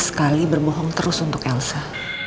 sekali berbohong terus untuk elsa